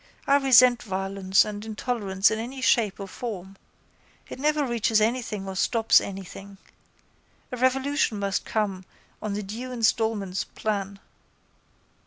I resent violence and intolerance in any shape or form. It never reaches anything or stops anything. A revolution must come on the due instalments plan.